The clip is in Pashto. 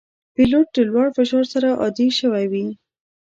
پیلوټ د لوړ فشار سره عادي شوی وي.